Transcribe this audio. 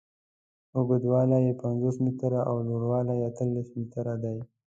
اوږدوالی یې پنځوس متره او لوړوالی یې اتلس متره دی.